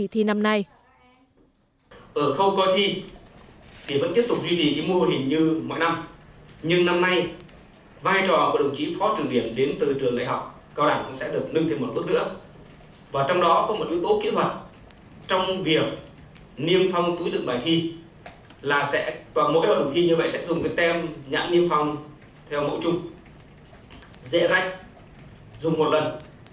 thì như vậy sẽ dùng cái tem nhãn niêm phong theo mẫu chung dẹ rách dùng một lần